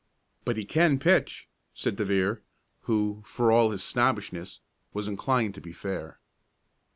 "But he can pitch," said De Vere, who, for all his snobbishness, was inclined to be fair.